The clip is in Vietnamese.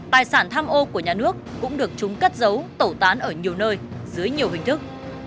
tài sản tham ô của nhà nước cũng được chúng cất dấu tẩu tán ở nhiều nơi dưới nhiều hình thức